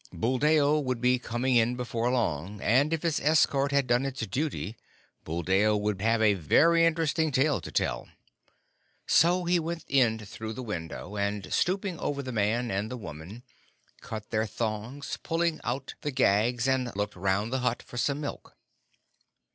Buldeo would be coming in before long, and if his escort had done its duty, Buldeo would have a very interesting tale to tell. So he went in through the window, and, stooping over the man and the woman, cut their thongs, pulling out the gags, and looked round the hut for some milk.